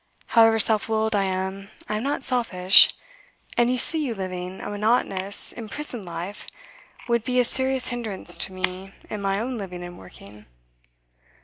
However self willed I am, I am not selfish; and to see you living a monotonous, imprisoned life would be a serious hindrance to me in my own living and working.